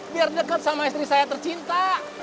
biar dekat sama istri saya tercinta